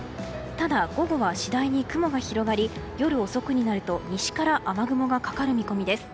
ただ、午後は次第に雲が広がり夜遅くになると西から雨雲がかかる見込みです。